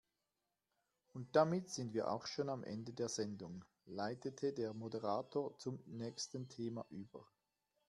Und damit sind wir auch schon am Ende der Sendung, leitete der Moderator zum nächsten Thema über.